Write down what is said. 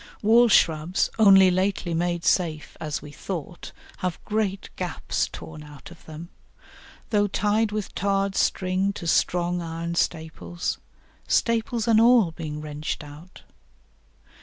Wall shrubs, only lately made safe, as we thought, have great gaps torn out of them, though tied with tarred string to strong iron staples, staples and all being wrenched out.